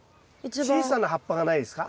小さな葉っぱがないですか？